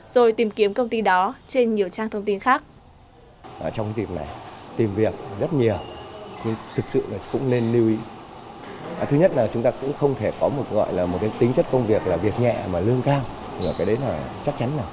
rồi tìm kiếm công ty đó trên nhiều trang thông tin khác